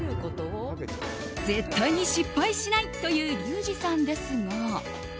絶対に失敗しないというリュウジさんですが。